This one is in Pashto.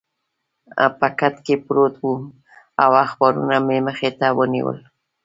په کټ کې پروت وم او اخبارونه مې مخې ته ونیول.